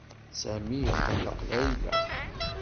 Sami iqelleq Layla.